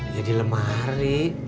ya di lemari